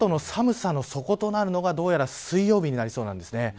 この後の寒さの底となるのがどうやら水曜日になりそうなんです。